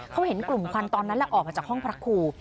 เขาเห็นกลุ่มควันตอนนั้นแหละออกมาจากห้องพระครู